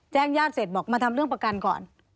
ญาติเสร็จบอกมาทำเรื่องประกันก่อน